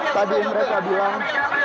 tadi mereka bilang